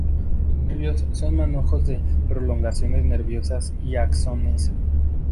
Los nervios son manojos de prolongaciones nerviosas o axones.